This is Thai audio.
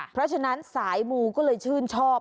เพราะฉะนั้นสายมูก็เลยชื่นชอบ